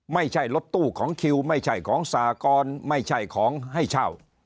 ไม่ใช่รถตู้ของคิวไม่ใช่ของสากรไม่ใช่ของให้เช่า